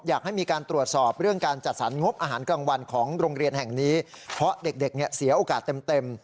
อยากให้มีการตรวจสอบเรื่องการจัดสรรงบอาหารกลางวันของโรงเรียนแห่งนี้เพราะเด็กเนี่ยเสียโอกาสเต็มเต็ม